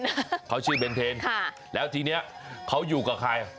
เพราะชื่อเบนเทนแล้วทีนี้เขาอยู่กับใคร